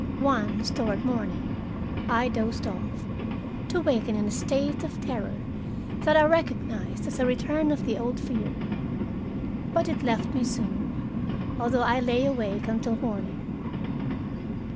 Once, toward morning, I dozed off, to waken in a state of terror that I recognized as a return of the old fear. But it left me soon, although I lay awake until morning.